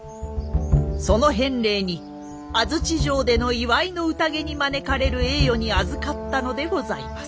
その返礼に安土城での祝いの宴に招かれる栄誉にあずかったのでございます。